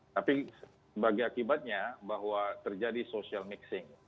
tapi sebagai akibatnya bahwa terjadi social mixing